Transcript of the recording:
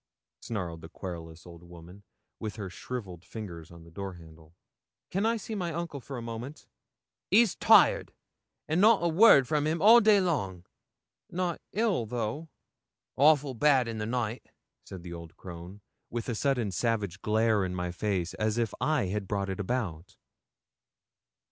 snarled the querulous old woman, with her shrivelled fingers on the door handle. 'Can I see my uncle for a moment?' 'He's tired, and not a word from him all day long.' 'Not ill, though?' 'Awful bad in the night,' said the old crone, with a sudden savage glare in my face, as if I had brought it about.